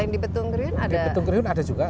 di betung kerihun ada juga